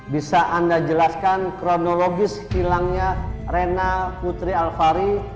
bisa anda jelaskan kronologis hilangnya rena putri al fahri